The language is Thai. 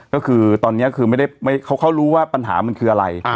ก็คือตอนนี้คือไม่ได้เขารู้ว่าปัญหามันคืออะไร